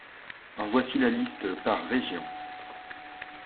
En voici la liste, par région.